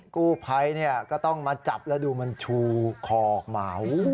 กู้ภัยก็ต้องมาจับแล้วดูมันชูคอออกมา